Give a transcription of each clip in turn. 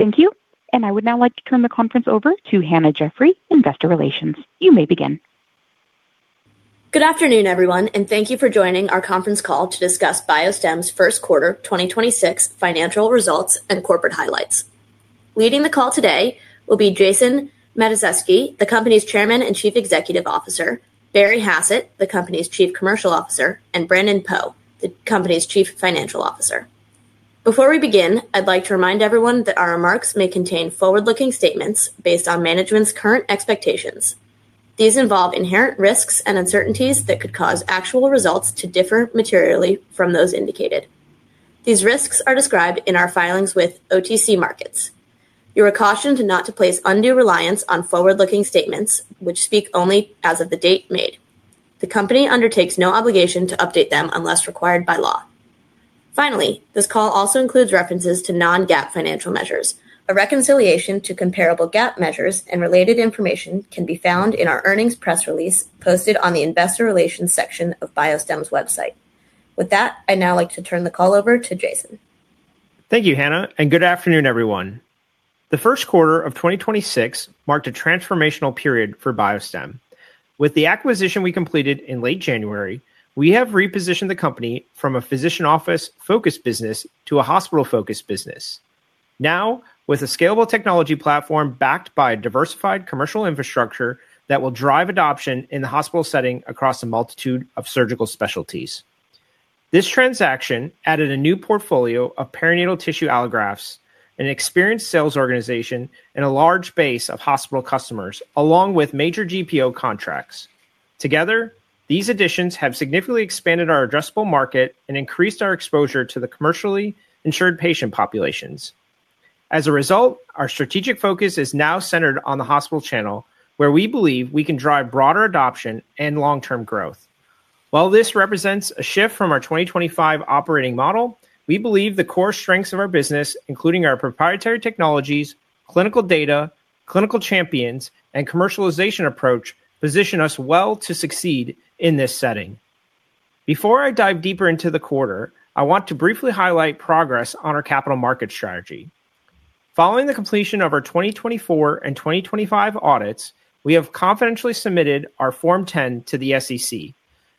Thank you. I would now like to turn the conference over to Hannah Jeffrey, Investor Relations. You may begin. Good afternoon, everyone, and thank you for joining our conference call to discuss BioStem's First Quarter 2026 Financial Results and Corporate Highlights. Leading the call today will be Jason Matuszewski, the company's Chairman and Chief Executive Officer, Barry Hassett, the company's Chief Commercial Officer, and Brandon Poe, the company's Chief Financial Officer. Before we begin, I'd like to remind everyone that our remarks may contain forward-looking statements based on management's current expectations. These involve inherent risks and uncertainties that could cause actual results to differ materially from those indicated. These risks are described in our filings with OTC Markets. You are cautioned not to place undue reliance on forward-looking statements, which speak only as of the date made. The company undertakes no obligation to update them unless required by law. Finally, this call also includes references to non-GAAP financial measures. A reconciliation to comparable GAAP measures and related information can be found in our earnings press release posted on the Investor Relations section of BioStem's website. With that, I'd now like to turn the call over to Jason. Thank you, Hannah, and good afternoon, everyone. The first quarter of 2026 marked a transformational period for BioStem. With the acquisition we completed in late January, we have repositioned the company from a physician office-focused business to a hospital-focused business. Now, with a scalable technology platform backed by a diversified commercial infrastructure that will drive adoption in the hospital setting across a multitude of surgical specialties. This transaction added a new portfolio of perinatal tissue allografts, an experienced sales organization, and a large base of hospital customers, along with major GPO contracts. Together, these additions have significantly expanded our addressable market and increased our exposure to the commercially insured patient populations. As a result, our strategic focus is now centered on the hospital channel, where we believe we can drive broader adoption and long-term growth. While this represents a shift from our 2025 operating model, we believe the core strengths of our business, including our proprietary technologies, clinical data, clinical champions, and commercialization approach, position us well to succeed in this setting. Before I dive deeper into the quarter, I want to briefly highlight progress on our capital market strategy. Following the completion of our 2024 and 2025 audits, we have confidentially submitted our Form 10 to the SEC,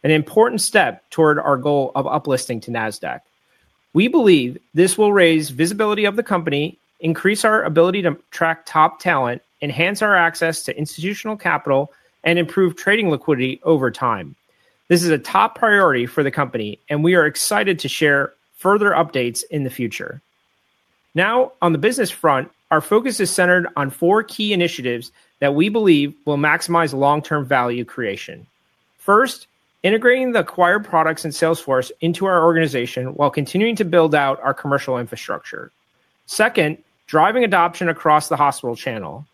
an important step toward our goal of uplisting to Nasdaq. We believe this will raise visibility of the company, increase our ability to attract top talent, enhance our access to institutional capital, and improve trading liquidity over time. This is a top priority for the company. We are excited to share further updates in the future. On the business front, our focus is centered on four key initiatives that we believe will maximize long-term value creation. First, integrating the acquired products and sales force into our organization while continuing to build out our commercial infrastructure. Second, driving adoption across the hospital channel.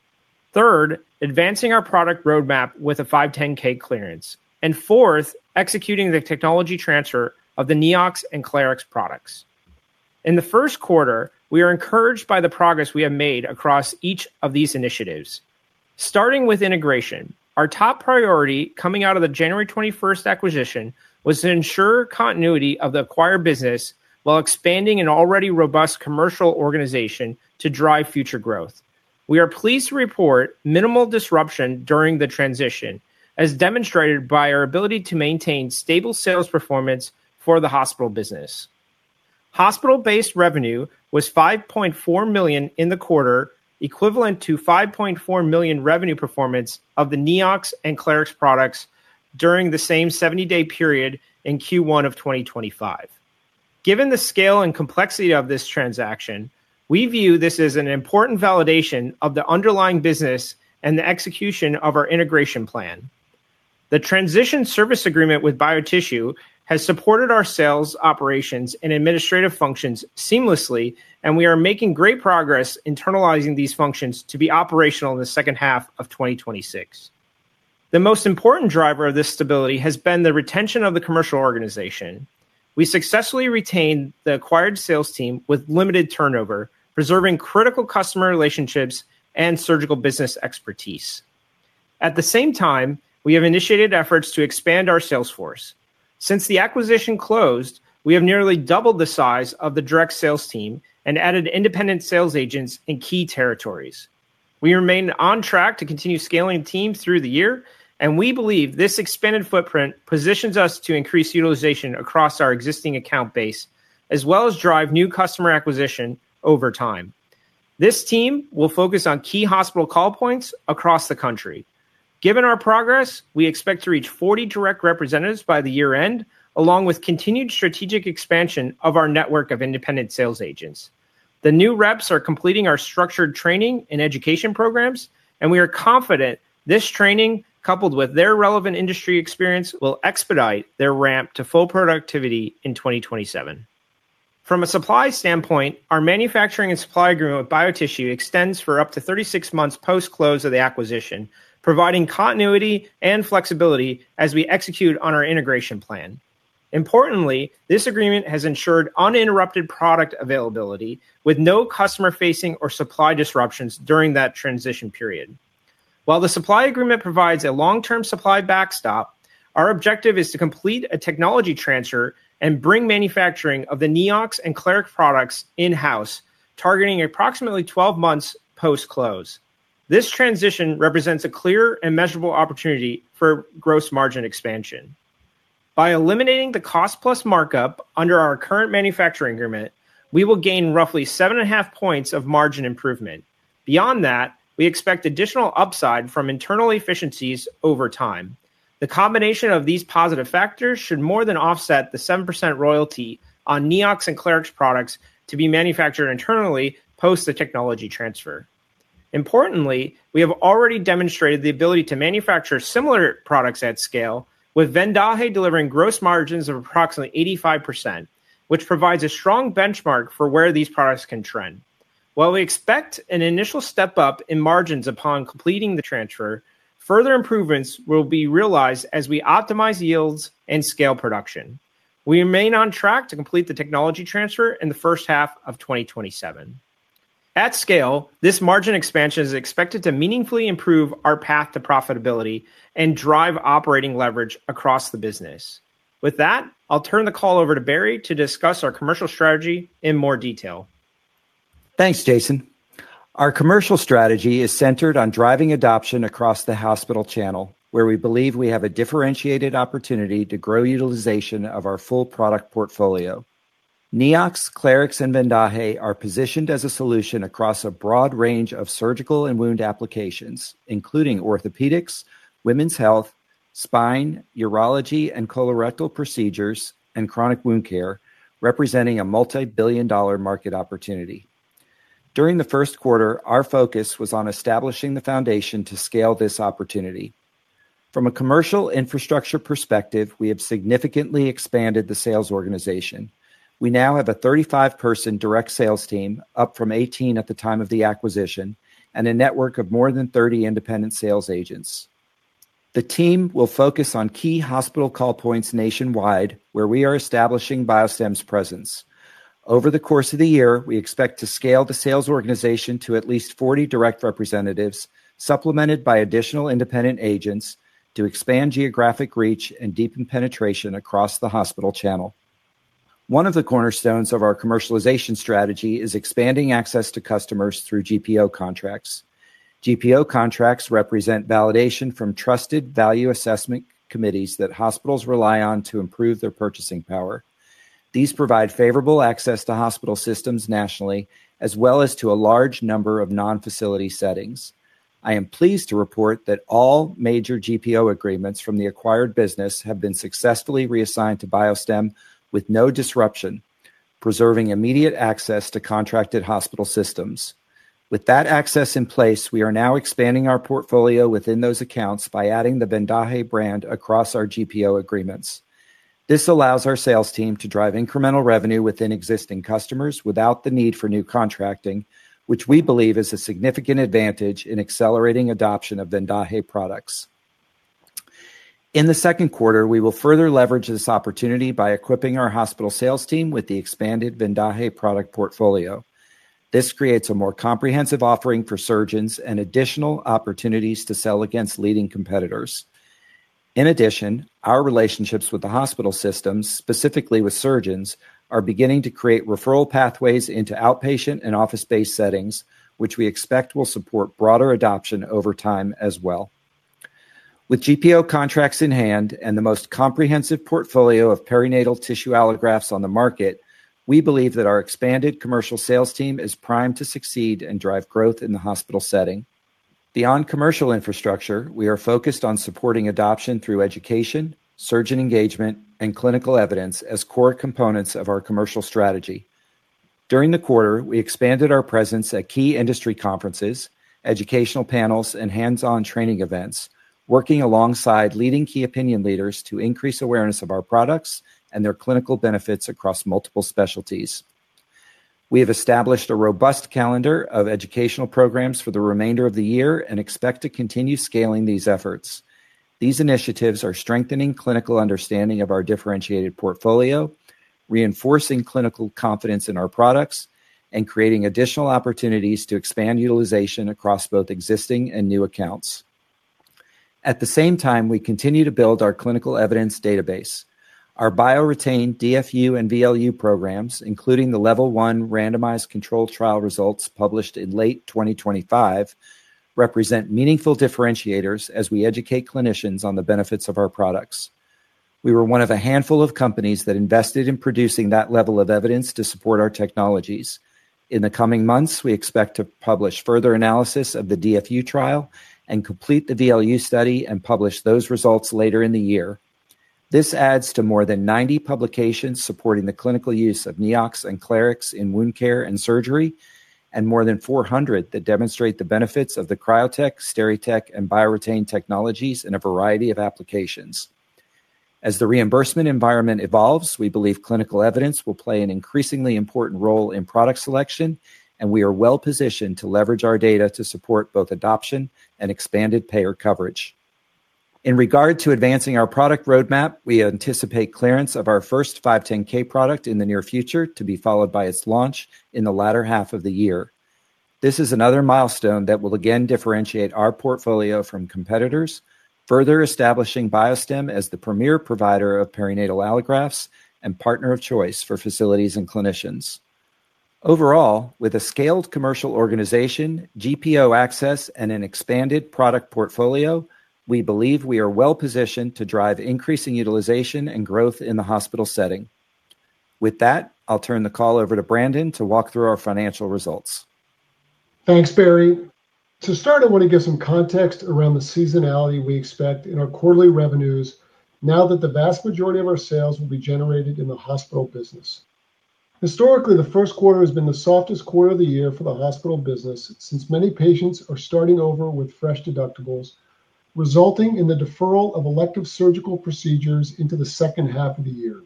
Third, advancing our product roadmap with a 510(k) clearance. Fourth, executing the technology transfer of the Neox and Clarix products. In the first quarter, we are encouraged by the progress we have made across each of these initiatives. Starting with integration, our top priority coming out of the January 21st acquisition was to ensure continuity of the acquired business while expanding an already robust commercial organization to drive future growth. We are pleased to report minimal disruption during the transition, as demonstrated by our ability to maintain stable sales performance for the hospital business. Hospital-based revenue was $5.4 million in the quarter, equivalent to $5.4 million revenue performance of the Neox and Clarix products during the same 70-day period in Q1 of 2025. Given the scale and complexity of this transaction, we view this as an important validation of the underlying business and the execution of our integration plan. The transition service agreement with BioTissue has supported our sales operations and administrative functions seamlessly. We are making great progress internalizing these functions to be operational in the second half of 2026. The most important driver of this stability has been the retention of the commercial organization. We successfully retained the acquired sales team with limited turnover, preserving critical customer relationships and surgical business expertise. At the same time, we have initiated efforts to expand our sales force. Since the acquisition closed, we have nearly doubled the size of the direct sales team and added independent sales agents in key territories. We remain on track to continue scaling the team through the year, and we believe this expanded footprint positions us to increase utilization across our existing account base as well as drive new customer acquisition over time. This team will focus on key hospital call points across the country. Given our progress, we expect to reach 40 direct representatives by the year-end, along with continued strategic expansion of our network of independent sales agents. The new reps are completing our structured training and education programs, and we are confident this training, coupled with their relevant industry experience, will expedite their ramp to full productivity in 2027. From a supply standpoint, our manufacturing and supply agreement with BioTissue extends for up to 36 months post-close of the acquisition, providing continuity and flexibility as we execute on our integration plan. Importantly, this agreement has ensured uninterrupted product availability with no customer-facing or supply disruptions during that transition period. While the supply agreement provides a long-term supply backstop, our objective is to complete a technology transfer and bring manufacturing of the Neox and Clarix products in-house, targeting approximately 12 months post-close. This transition represents a clear and measurable opportunity for gross margin expansion. By eliminating the cost plus markup under our current manufacturing agreement, we will gain roughly 7.5 points of margin improvement. Beyond that, we expect additional upside from internal efficiencies over time. The combination of these positive factors should more than offset the 7% royalty on Neox and Clarix products to be manufactured internally post the technology transfer. Importantly, we have already demonstrated the ability to manufacture similar products at scale, with VENDAJE delivering gross margins of approximately 85%, which provides a strong benchmark for where these products can trend. While we expect an initial step up in margins upon completing the transfer, further improvements will be realized as we optimize yields and scale production. We remain on track to complete the technology transfer in the first half of 2027. At scale, this margin expansion is expected to meaningfully improve our path to profitability and drive operating leverage across the business. With that, I'll turn the call over to Barry to discuss our commercial strategy in more detail. Thanks, Jason. Our commercial strategy is centered on driving adoption across the hospital channel, where we believe we have a differentiated opportunity to grow utilization of our full product portfolio. Neox, Clarix, and VENDAJE are positioned as a solution across a broad range of surgical and wound applications, including orthopedics, women's health, spine, urology, and colorectal procedures, and chronic wound care, representing a multi-billion dollar market opportunity. During the first quarter, our focus was on establishing the foundation to scale this opportunity. From a commercial infrastructure perspective, we have significantly expanded the sales organization. We now have a 35-person direct sales team, up from 18 at the time of the acquisition, and a network of more than 30 independent sales agents. The team will focus on key hospital call points nationwide where we are establishing BioStem's presence. Over the course of the year, we expect to scale the sales organization to at least 40 direct representatives, supplemented by additional independent agents to expand geographic reach and deepen penetration across the hospital channel. One of the cornerstones of our commercialization strategy is expanding access to customers through GPO contracts. GPO contracts represent validation from trusted value assessment committees that hospitals rely on to improve their purchasing power. These provide favorable access to hospital systems nationally as well as to a large number of non-facility settings. I am pleased to report that all major GPO agreements from the acquired business have been successfully reassigned to BioStem with no disruption, preserving immediate access to contracted hospital systems. With that access in place, we are now expanding our portfolio within those accounts by adding the VENDAJE brand across our GPO agreements. This allows our sales team to drive incremental revenue within existing customers without the need for new contracting, which we believe is a significant advantage in accelerating adoption of VENDAJE products. In the second quarter, we will further leverage this opportunity by equipping our hospital sales team with the expanded VENDAJE product portfolio. This creates a more comprehensive offering for surgeons and additional opportunities to sell against leading competitors. In addition, our relationships with the hospital systems, specifically with surgeons, are beginning to create referral pathways into outpatient and office-based settings, which we expect will support broader adoption over time as well. With GPO contracts in hand and the most comprehensive portfolio of perinatal tissue allografts on the market, we believe that our expanded commercial sales team is primed to succeed and drive growth in the hospital setting. Beyond commercial infrastructure, we are focused on supporting adoption through education, surgeon engagement, and clinical evidence as core components of our commercial strategy. During the quarter, we expanded our presence at key industry conferences, educational panels, and hands-on training events, working alongside leading key opinion leaders to increase awareness of our products and their clinical benefits across multiple specialties. We have established a robust calendar of educational programs for the remainder of the year and expect to continue scaling these efforts. These initiatives are strengthening clinical understanding of our differentiated portfolio, reinforcing clinical confidence in our products, and creating additional opportunities to expand utilization across both existing and new accounts. At the same time, we continue to build our clinical evidence database. Our BioRetain DFU and VLU programs, including the level 1 randomized controlled trial results published in late 2025, represent meaningful differentiators as we educate clinicians on the benefits of our products. We were one of a handful of companies that invested in producing that level of evidence to support our technologies. In the coming months, we expect to publish further analysis of the DFU trial and complete the VLU study and publish those results later in the year. This adds to more than 90 publications supporting the clinical use of Neox and Clarix in wound care and surgery, and more than 400 that demonstrate the benefits of the CryoTek, SteriTek, and BioRetain technologies in a variety of applications. As the reimbursement environment evolves, we believe clinical evidence will play an increasingly important role in product selection, and we are well-positioned to leverage our data to support both adoption and expanded payer coverage. In regard to advancing our product roadmap, we anticipate clearance of our first 510(k) product in the near future to be followed by its launch in the latter half of the year. This is another milestone that will again differentiate our portfolio from competitors, further establishing BioStem as the premier provider of perinatal allografts and partner of choice for facilities and clinicians. Overall, with a scaled commercial organization, GPO access, and an expanded product portfolio, we believe we are well-positioned to drive increasing utilization and growth in the hospital setting. With that, I'll turn the call over to Brandon to walk through our financial results. Thanks, Barry. To start, I want to give some context around the seasonality we expect in our quarterly revenues now that the vast majority of our sales will be generated in the hospital business. Historically, the first quarter has been the softest quarter of the year for the hospital business since many patients are starting over with fresh deductibles, resulting in the deferral of elective surgical procedures into the second half of the year.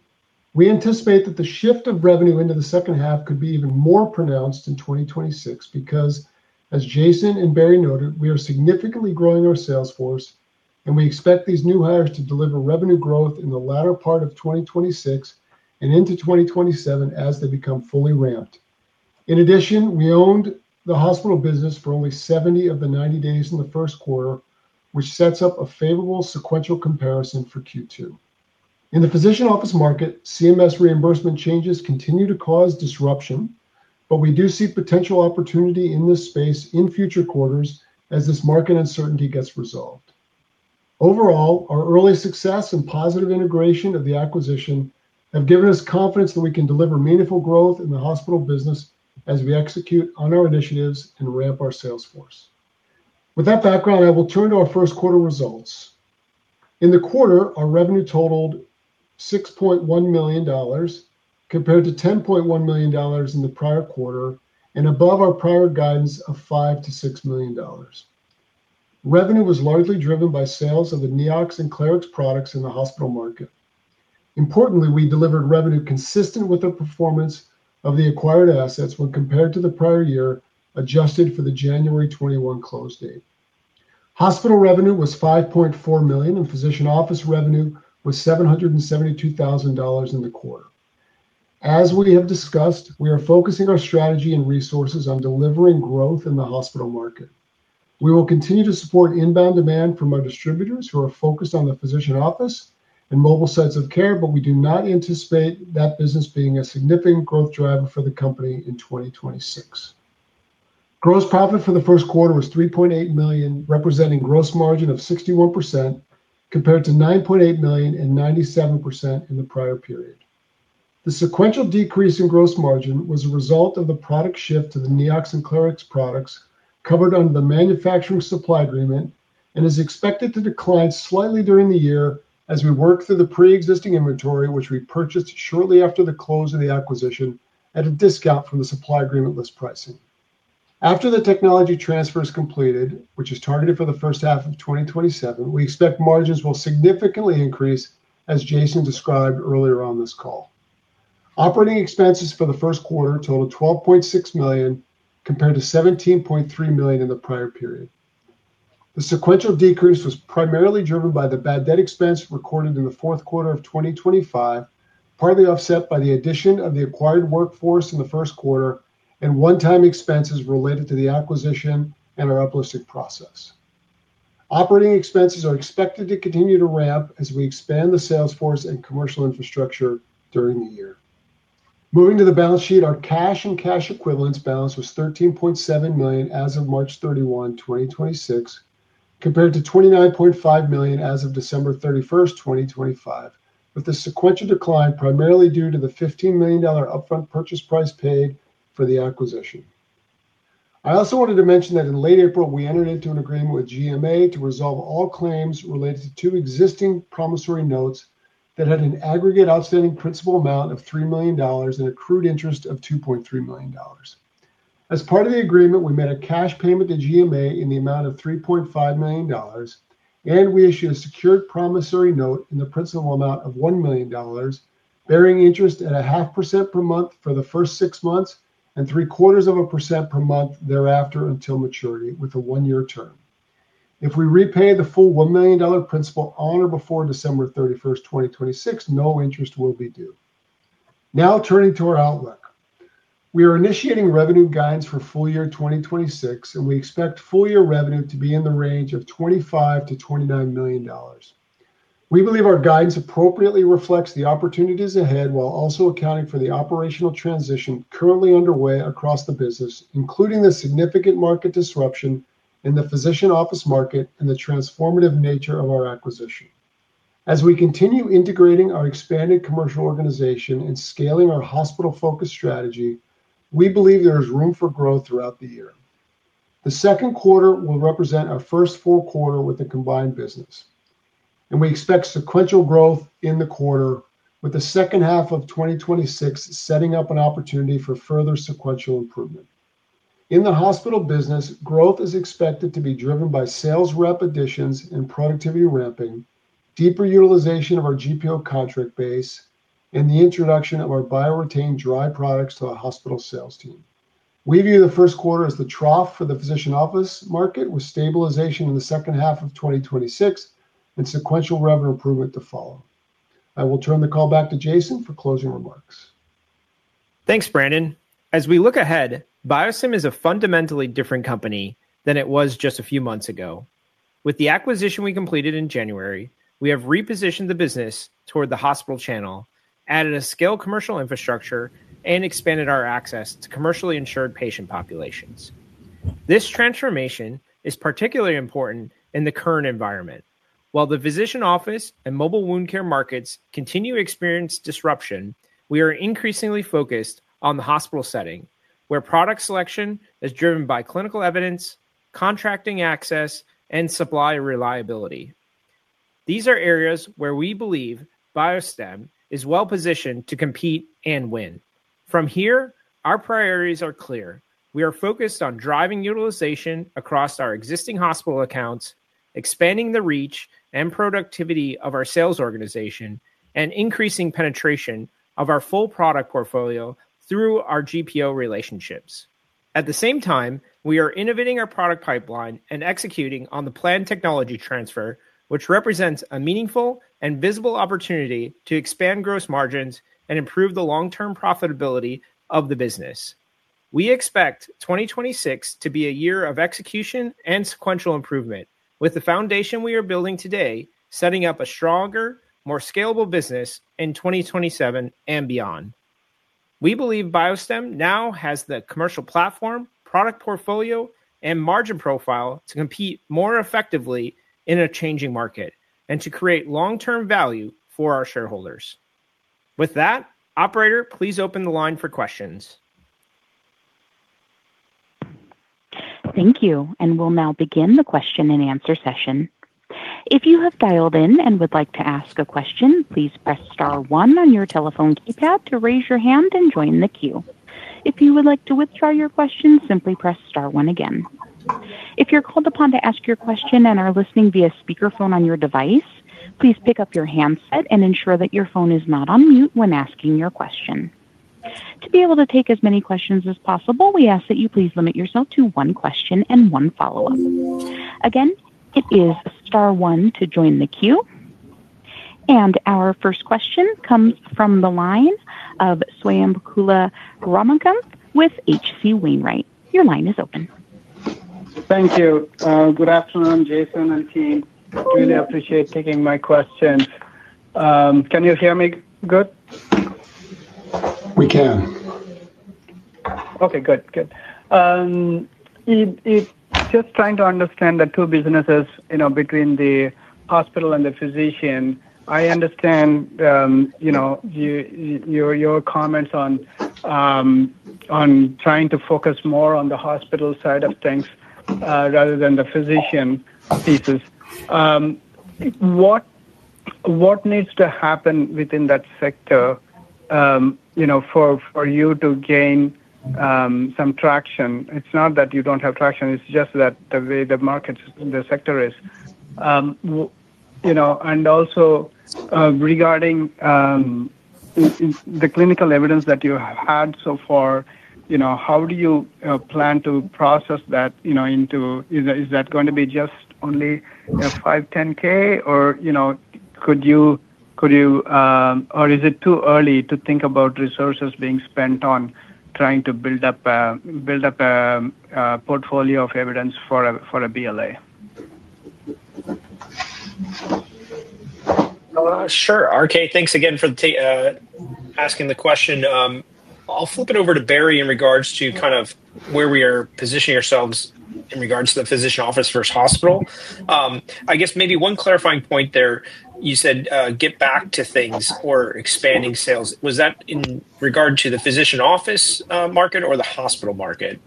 We anticipate that the shift of revenue into the second half could be even more pronounced in 2026 because, as Jason and Barry noted, we are significantly growing our sales force, and we expect these new hires to deliver revenue growth in the latter part of 2026 and into 2027 as they become fully ramped. In addition, we owned the hospital business for only 70 of the 90 days in the first quarter, which sets up a favorable sequential comparison for Q2. In the physician office market, CMS reimbursement changes continue to cause disruption, but we do see potential opportunity in this space in future quarters as this market uncertainty gets resolved. Overall, our early success and positive integration of the acquisition have given us confidence that we can deliver meaningful growth in the hospital business as we execute on our initiatives and ramp our sales force. With that background, I will turn to our first quarter results. In the quarter, our revenue totaled $6.1 million compared to $10.1 million in the prior quarter and above our prior guidance of $5 million-$6 million. Revenue was largely driven by sales of the Neox and Clarix products in the hospital market. Importantly, we delivered revenue consistent with the performance of the acquired assets when compared to the prior year, adjusted for the January 21 close date. Hospital revenue was $5.4 million, and physician office revenue was $772,000 in the quarter. As we have discussed, we are focusing our strategy and resources on delivering growth in the hospital market. We will continue to support inbound demand from our distributors who are focused on the physician office and mobile sites of care, but we do not anticipate that business being a significant growth driver for the company in 2026. Gross profit for the first quarter was $3.8 million, representing gross margin of 61% compared to $9.8 million and 97% in the prior period. The sequential decrease in gross margin was a result of the product shift to the Neox and Clarix products covered under the manufacturing supply agreement and is expected to decline slightly during the year as we work through the preexisting inventory, which we purchased shortly after the close of the acquisition at a discount from the supply agreement list pricing. After the technology transfer is completed, which is targeted for the first half of 2027, we expect margins will significantly increase, as Jason described earlier on this call. Operating expenses for the first quarter totaled $12.6 million compared to $17.3 million in the prior period. The sequential decrease was primarily driven by the bad debt expense recorded in the fourth quarter of 2025, partly offset by the addition of the acquired workforce in the first quarter and one-time expenses related to the acquisition and our uplisting process. Operating expenses are expected to continue to ramp as we expand the sales force and commercial infrastructure during the year. Moving to the balance sheet, our cash and cash equivalents balance was $13.7 million as of March 31, 2026, compared to $29.5 million as of December 31st, 2025, with the sequential decline primarily due to the $15 million upfront purchase price paid for the acquisition. I also wanted to mention that in late April, we entered into an agreement with GMA to resolve all claims related to two existing promissory notes that had an aggregate outstanding principal amount of $3 million and accrued interest of $2.3 million. As part of the agreement, we made a cash payment to GMA in the amount of $3.5 million, and we issued a secured promissory note in the principal amount of $1 million, bearing interest at a half percent per month for the first six months and three quarters of a percent per month thereafter until maturity with a one-year term. If we repay the full $1 million principal on or before December 31st, 2026, no interest will be due. Turning to our outlook. We are initiating revenue guidance for full year 2026, and we expect full year revenue to be in the range of $25 million-$29 million. We believe our guidance appropriately reflects the opportunities ahead while also accounting for the operational transition currently underway across the business, including the significant market disruption in the physician office market and the transformative nature of our acquisition. As we continue integrating our expanded commercial organization and scaling our hospital-focused strategy, we believe there is room for growth throughout the year. The second quarter will represent our first full quarter with the combined business, and we expect sequential growth in the quarter, with the second half of 2026 setting up an opportunity for further sequential improvement. In the hospital business, growth is expected to be driven by sales rep additions and productivity ramping, deeper utilization of our GPO contract base, and the introduction of our BioRetain dry products to our hospital sales team. We view the first quarter as the trough for the physician office market, with stabilization in the second half of 2026 and sequential revenue improvement to follow. I will turn the call back to Jason for closing remarks. Thanks, Brandon. As we look ahead, BioStem is a fundamentally different company than it was just a few months ago. With the acquisition we completed in January, we have repositioned the business toward the hospital channel, added a scale commercial infrastructure, and expanded our access to commercially insured patient populations. This transformation is particularly important in the current environment. While the physician office and mobile wound care markets continue to experience disruption, we are increasingly focused on the hospital setting, where product selection is driven by clinical evidence, contracting access, and supply reliability. These are areas where we believe BioStem is well-positioned to compete and win. From here, our priorities are clear. We are focused on driving utilization across our existing hospital accounts, expanding the reach and productivity of our sales organization, and increasing penetration of our full product portfolio through our GPO relationships. At the same time, we are innovating our product pipeline and executing on the planned technology transfer, which represents a meaningful and visible opportunity to expand gross margins and improve the long-term profitability of the business. We expect 2026 to be a year of execution and sequential improvement, with the foundation we are building today setting up a stronger, more scalable business in 2027 and beyond. We believe BioStem now has the commercial platform, product portfolio, and margin profile to compete more effectively in a changing market and to create long-term value for our shareholders. With that, operator, please open the line for questions. Thank you, and we'll now begin the question-and-answer session. If you have dialed in and would like to ask a question, please press star one on your telephone keypad to raise your hand and join the queue. If you would like to withdraw your question, simply press star one again. If you're called upon to ask your question and are listening via speakerphone on your device, please pick up your handset and ensure that your phone is not on mute when asking your question. To be able to take as many questions as possible, we ask that you please limit yourself to one question and one follow-up. Again, it is star one to join the queue. Our first question comes from the line of Swayampakula Ramakanth with H.C. Wainwright. Your line is open. Thank you. Good afternoon, Jason and team. Really appreciate taking my question. Can you hear me good? We can. Okay, good. Good. It just trying to understand the two businesses, you know, between the hospital and the physician. I understand, you know, your comments on trying to focus more on the hospital side of things, rather than the physician pieces. What needs to happen within that sector, you know, for you to gain some traction? It's not that you don't have traction, it's just that the way the market, the sector is. You know, and also, regarding the clinical evidence that you have had so far, you know, how do you plan to process that, you know, into Is that, is that gonna be just only a 510(k)? You know, could you, or is it too early to think about resources being spent on trying to build up a portfolio of evidence for a BLA? Sure. RK, thanks again for asking the question. I'll flip it over to Barry in regards to kind of where we are positioning ourselves in regards to the physician office versus hospital. I guess maybe one clarifying point there, you said, get back to things or expanding sales. Was that in regard to the physician office, market or the hospital market?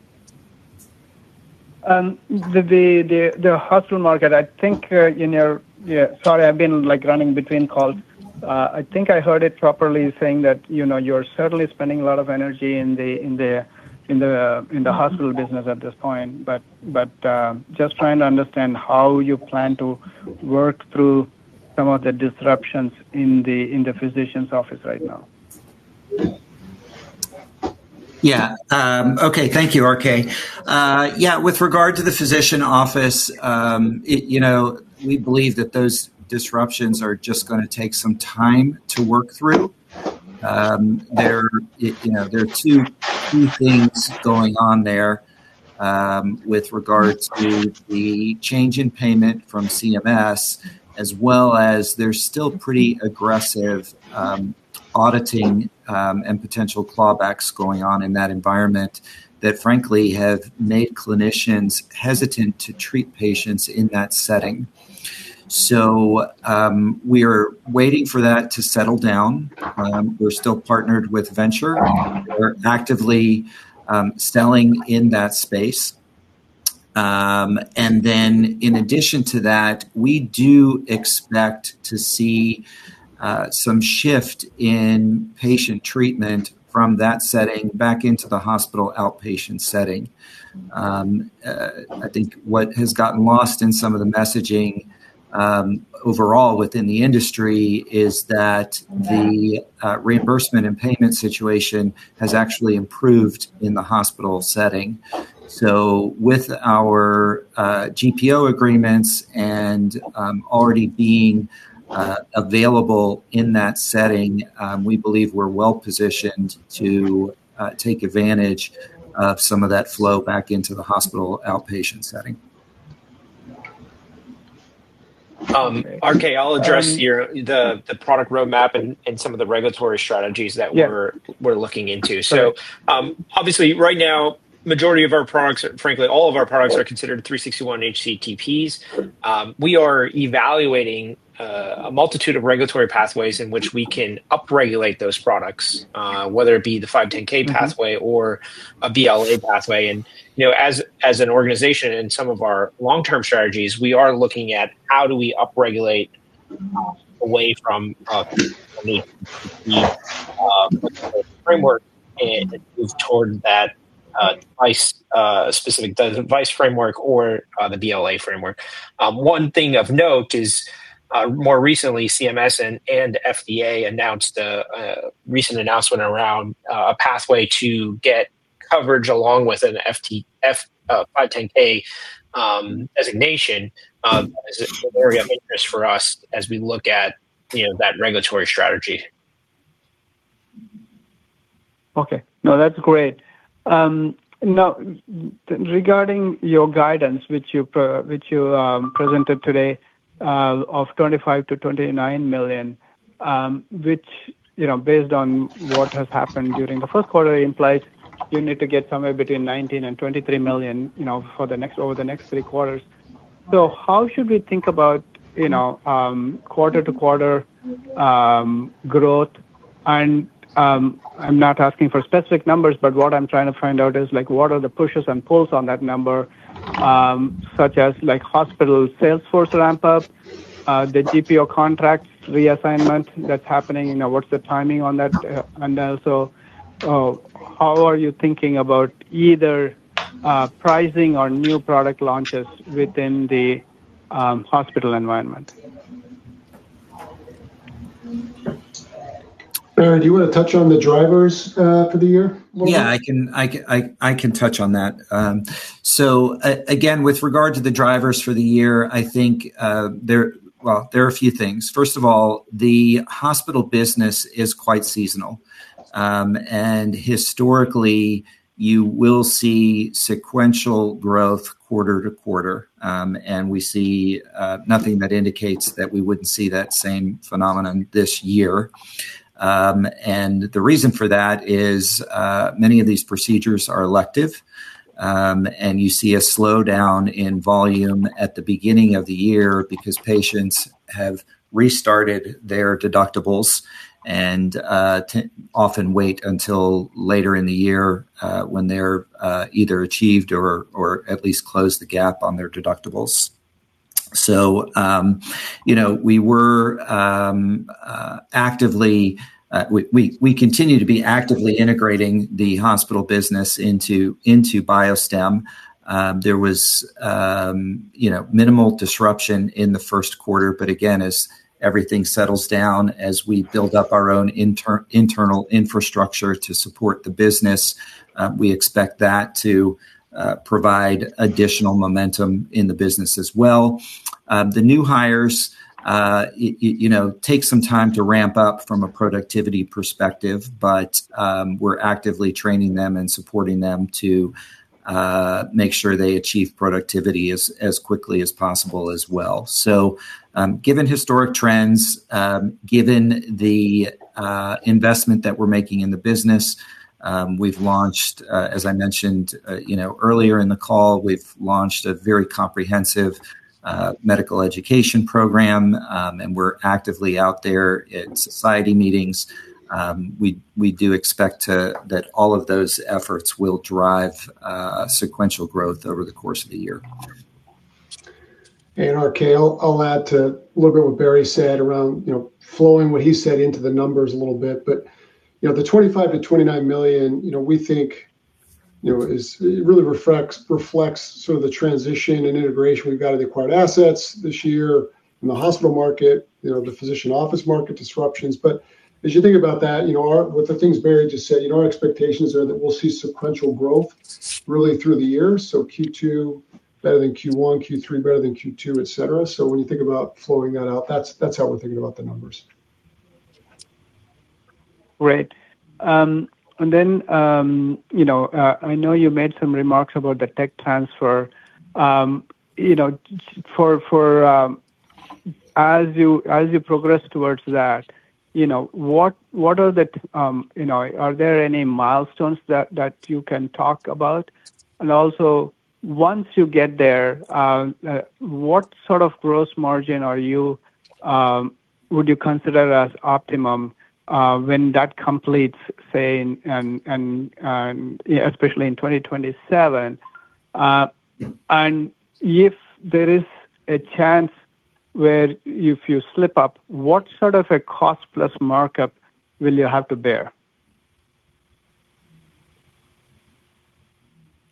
The hospital market. Yeah, sorry, I've been, like, running between calls. I think I heard it properly saying that, you know, you're certainly spending a lot of energy in the hospital business at this point. Just trying to understand how you plan to work through some of the disruptions in the physician's office right now. Yeah. Okay. Thank you, RK. With regard to the physician office, you know, we believe that those disruptions are just gonna take some time to work through. You know, there are two things going on there, with regards to the change in payment from CMS, as well as there's still pretty aggressive auditing and potential clawbacks going on in that environment that frankly have made clinicians hesitant to treat patients in that setting. We're waiting for that to settle down. We're still partnered with Venture. We're actively selling in that space. In addition to that, we do expect to see some shift in patient treatment from that setting back into the hospital outpatient setting. I think what has gotten lost in some of the messaging overall within the industry is that the reimbursement and payment situation has actually improved in the hospital setting. With our GPO agreements and already being available in that setting, we believe we're well-positioned to take advantage of some of that flow back into the hospital outpatient setting. RK, I'll address the product roadmap and some of the regulatory strategies that. Yeah. We're looking into. Right. Obviously right now majority of our products, frankly, all of our products are considered 361 HCT/Ps. We are evaluating a multitude of regulatory pathways in which we can up-regulate those products, whether it be the 510(k) pathway or a BLA pathway. You know, as an organization in some of our long-term strategies, we are looking at how do we up-regulate away from the framework and move toward that device specific device framework or the BLA framework. One thing of note is more recently CMS and FDA announced a recent announcement around a pathway to get coverage along with an FDA 510(k) designation as an area of interest for us as we look at, you know, that regulatory strategy. Okay. No, that's great. Now regarding your guidance which you presented today, of $25 million-$29 million, which, you know, based on what has happened during the first quarter implies you need to get somewhere between $19 million-$23 million, you know, for the next over the next three quarters. How should we think about, you know, quarter-to-quarter growth? I'm not asking for specific numbers, but what I'm trying to find out is like what are the pushes and pulls on that number, such as like hospital sales force ramp up, the GPO contract reassignment that's happening, you know, what's the timing on that? Also, how are you thinking about either pricing or new product launches within the hospital environment? Barry, do you wanna touch on the drivers for the year a little bit? I can touch on that. Again, with regard to the drivers for the year, I think there are a few things. First of all, the hospital business is quite seasonal. Historically, you will see sequential growth quarter to quarter. We see nothing that indicates that we wouldn't see that same phenomenon this year. The reason for that is many of these procedures are elective, and you see a slowdown in volume at the beginning of the year because patients have restarted their deductibles and often wait until later in the year when they're either achieved or at least closed the gap on their deductibles. You know, we continue to be actively integrating the hospital business into BioStem. There was, you know, minimal disruption in the first quarter, but again, as everything settles down, as we build up our own internal infrastructure to support the business, we expect that to provide additional momentum in the business as well. The new hires, you know, take some time to ramp up from a productivity perspective, but we're actively training them and supporting them to make sure they achieve productivity as quickly as possible as well. Given historic trends, given the investment that we're making in the business, we've launched, as I mentioned, you know, earlier in the call, we've launched a very comprehensive medical education program, and we're actively out there at society meetings. We do expect that all of those efforts will drive sequential growth over the course of the year. RK, I'll add to a little bit what Barry said around, you know, flowing what he said into the numbers a little bit. You know, the $25 million-$29 million, you know, we think, you know, is it really reflects sort of the transition and integration we've got of the acquired assets this year in the hospital market, you know, the physician office market disruptions. As you think about that, you know, our with the things Barry just said, you know, our expectations are that we'll see sequential growth really through the year. Q2 better than Q1, Q3 better than Q2, etc. When you think about flowing that out, that's how we're thinking about the numbers. Great. You know, I know you made some remarks about the tech transfer. You know, as you progress towards that, what are the milestones you can talk about? Once you get there, what sort of gross margin are you, would you consider as optimum, when that completes, say especially in 2027? If there is a chance where if you slip up, what sort of a cost-plus markup will you have to bear?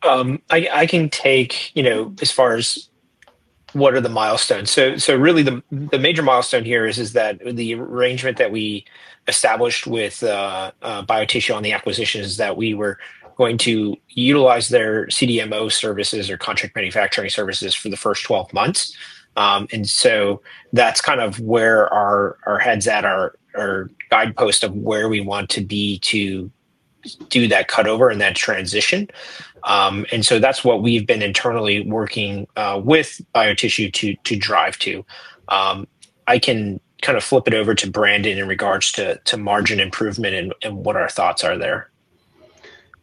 I can take, you know, as far as what are the milestones. Really the major milestone here is that the arrangement that we established with BioTissue on the acquisition is that we were going to utilize their CDMO services or contract manufacturing services for the first 12 months. That's kind of where our head's at, our guidepost of where we want to be to do that cut over and that transition. That's what we've been internally working with BioTissue to drive to. I can kind of flip it over to Brandon in regards to margin improvement and what our thoughts are there.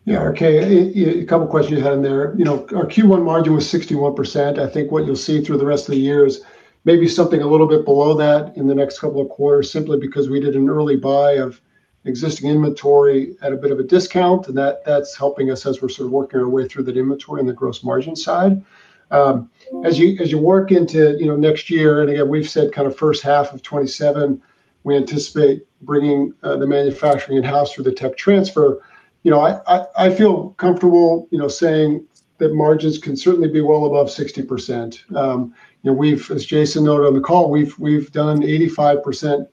Yeah. Okay. A couple questions you had in there. You know, our Q1 margin was 61%. I think what you'll see through the rest of the year is maybe something a little bit below that in the next couple of quarters, simply because we did an early buy of existing inventory at a bit of a discount, and that's helping us as we're sort of working our way through that inventory on the gross margin side. As you work into, you know, next year, and again, we've said kind of first half of 2027, we anticipate bringing the manufacturing in-house for the tech transfer. You know, I feel comfortable, you know, saying that margins can certainly be well above 60%. You know, as Jason noted on the call, we've done 85%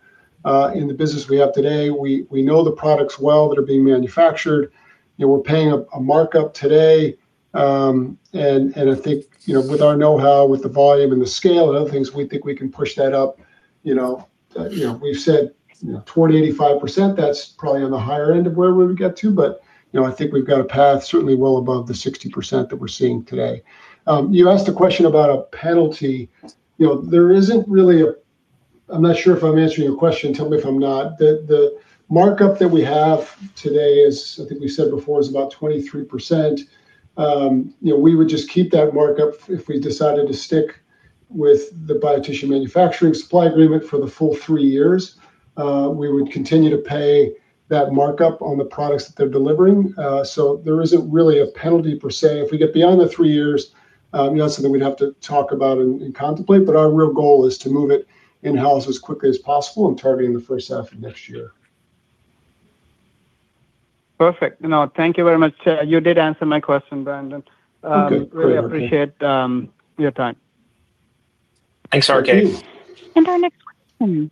in the business we have today. We know the products well that are being manufactured. You know, we're paying a markup today. I think, you know, with our know-how, with the volume and the scale and other things, we think we can push that up. You know, you know, we've said, you know, 20%-85%, that's probably on the higher end of where we would get to. You know, I think we've got a path certainly well above the 60% that we're seeing today. You asked a question about a penalty. You know, there isn't really. I'm not sure if I'm answering your question, tell me if I'm not. The markup that we have today is, I think we've said before, is about 23%. You know, we would just keep that markup if we decided to stick with the BioTissue manufacturing supply agreement for the full three years. We would continue to pay that markup on the products that they're delivering. There isn't really a penalty per se. If we get beyond the three years, you know, something we'd have to talk about and contemplate, but our real goal is to move it in-house as quickly as possible and targeting the first half of next year. Perfect. No, thank you very much. You did answer my question, Brandon. Okay. Great. Really appreciate your time. Thanks, RK. Thank you.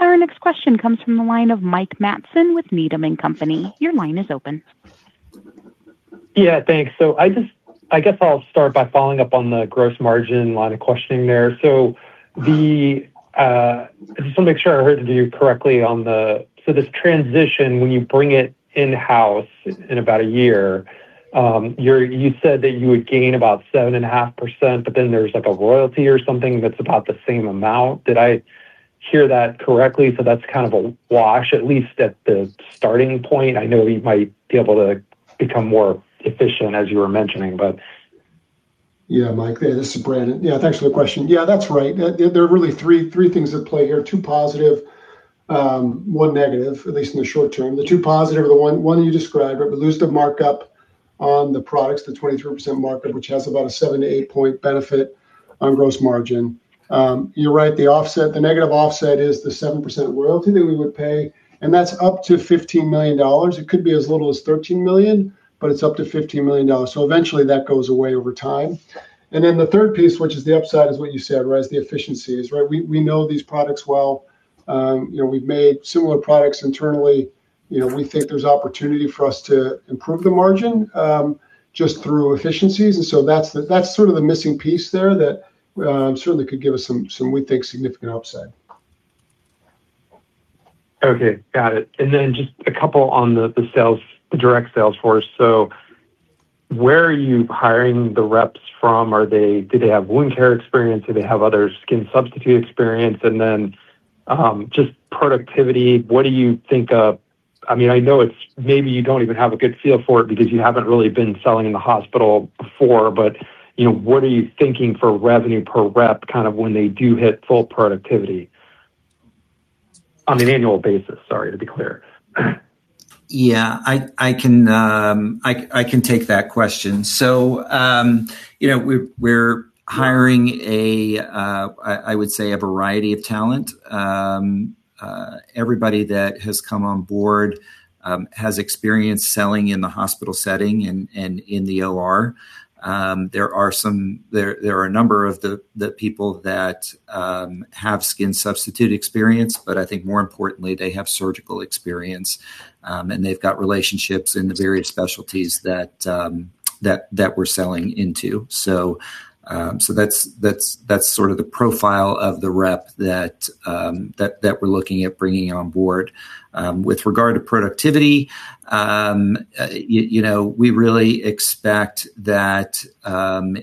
Our next question comes from the line of Mike Matson with Needham & Company. Your line is open. Yeah, thanks. I guess I'll start by following up on the gross margin line of questioning there. Just want to make sure I heard you correctly. This transition, when you bring it in-house in about a year, you said that you would gain about 7.5%, but then there's like a royalty or something that's about the same amount. Did I hear that correctly? That's kind of a wash, at least at the starting point. I know you might be able to become more efficient, as you were mentioning, but Mike, this is Brandon. Thanks for the question. That's right. There are really three things at play here. Two positive, one negative, at least in the short term. The two positive are the one you described, right, we lose the markup on the products, the 23% markup, which has about a 7-8 point benefit on gross margin. You're right, the offset, the negative offset is the 7% royalty that we would pay, and that's up to $15 million. It could be as little as $13 million, but it's up to $15 million. Eventually that goes away over time. The third piece, which is the upside, is what you said, right? Is the efficiencies, right? We know these products well. You know, we've made similar products internally. You know, we think there's opportunity for us to improve the margin, just through efficiencies. That's sort of the missing piece there that certainly could give us some we think significant upside. Okay, got it. Just a couple on the sales, the direct sales force. Where are you hiring the reps from? Do they have wound care experience? Do they have other skin substitute experience? Just productivity, I mean, I know it's maybe you don't even have a good feel for it because you haven't really been selling in the hospital before, but, you know, what are you thinking for revenue per rep kind of when they do hit full productivity? On an annual basis, sorry, to be clear. Yeah, I can take that question. You know, we're hiring a variety of talent. Everybody that has come on board has experience selling in the hospital setting and in the OR. There are a number of the people that have skin substitute experience, but I think more importantly, they have surgical experience. And they've got relationships in the various specialties that we're selling into. That's sort of the profile of the rep that we're looking at bringing on board. With regard to productivity, you know, we really expect that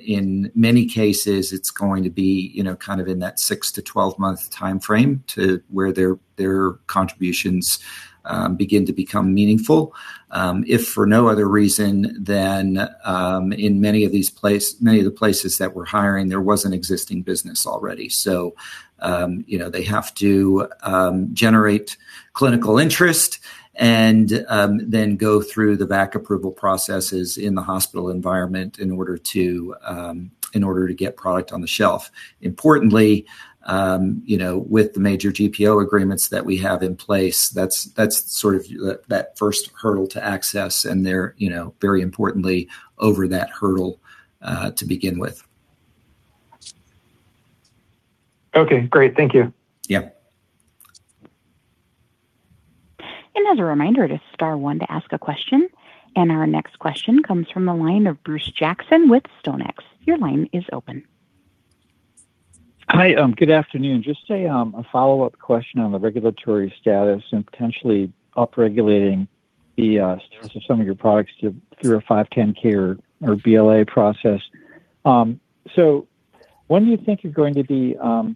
in many cases it's going to be, you know, kind of in that 6-12 month timeframe to where their contributions begin to become meaningful. If for no other reason than in many of the places that we're hiring, there was an existing business already. You know, they have to generate clinical interest and then go through the VAC approval processes in the hospital environment in order to get product on the shelf. Importantly, you know, with the major GPO agreements that we have in place, that's sort of that first hurdle to access and they're, you know, very importantly over that hurdle to begin with. Okay, great. Thank you. Yep. As a reminder to star one to ask a question. Our next question comes from the line of Bruce Jackson with StoneX. Your line is open. Hi, good afternoon. Just a follow-up question on the regulatory status and potentially up-regulating the status of some of your products through a 510(k) or BLA process. When do you think you're going to be done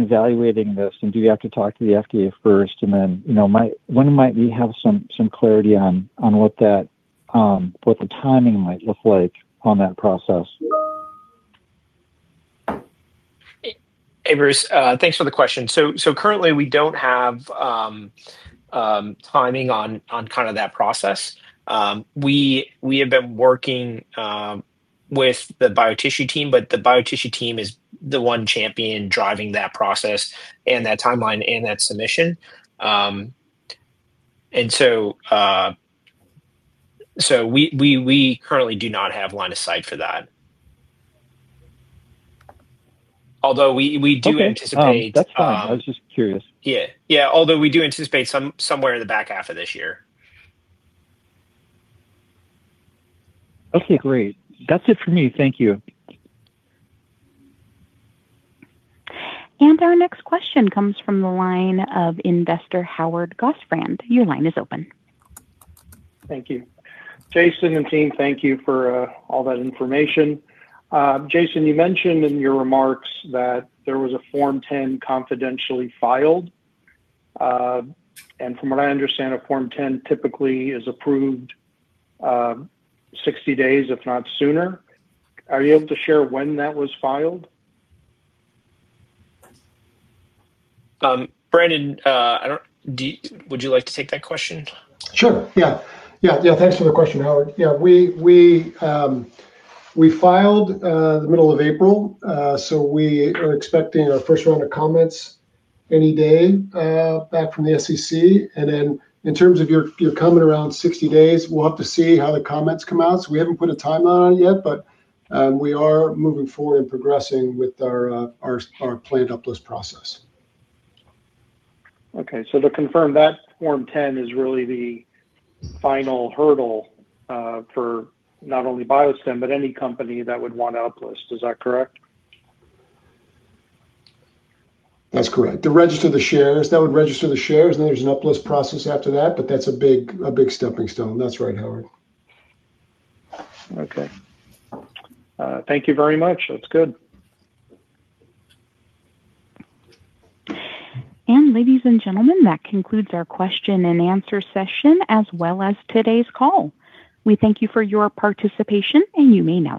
evaluating this? Do you have to talk to the FDA first? You know, when might we have some clarity on what that, what the timing might look like on that process? Hey, Bruce. Thanks for the question. Currently we don't have timing on kind of that process. We have been working with the BioTissue team, the BioTissue team is the one champion driving that process and that timeline and that submission. We currently do not have line of sight for that. Although we do anticipate. Okay. That's fine. I was just curious. Yeah. Yeah, although we do anticipate somewhere in the back half of this year. Okay, great. That's it for me. Thank you. Our next question comes from the line of investor Howard Gostfrand. Your line is open. Thank you. Jason and team, thank you for all that information. Jason, you mentioned in your remarks that there was a Form 10 confidentially filed. From what I understand, a Form 10 typically is approved, 60 days if not sooner. Are you able to share when that was filed? Brandon, Would you like to take that question? Sure, yeah. Thanks for the question, Howard. We filed the middle of April. We are expecting our first round of comments any day back from the SEC. In terms of your comment around 60 days, we'll have to see how the comments come out, so we haven't put a timeline on it yet, but we are moving forward and progressing with our planned uplist process. Okay. To confirm, that Form 10 is really the final hurdle, for not only BioStem, but any company that would want to uplist. Is that correct? That's correct. To register the shares, that would register the shares, then there's an uplist process after that, but that's a big stepping stone. That's right, Howard. Okay. Thank you very much. That's good. Ladies and gentlemen, that concludes our question-and-answer session, as well as today's call. We thank you for your participation, and you may now disconnect.